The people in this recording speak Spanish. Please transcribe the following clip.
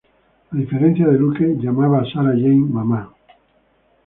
A diferencia de Luke, llamaba a Sarah Jane "Mamá".